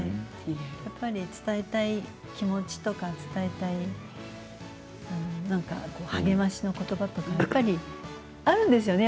伝えたい気持ちとか伝えたい励ましの言葉とかやっぱりあるんですよね